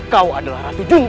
kau adalah ratu junti